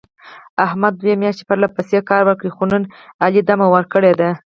احمد دوه میاشتې پرله پسې کار وکړ. خو نن علي دمه ور کړې ده.